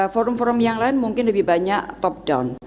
forum forum yang lain mungkin lebih banyak top down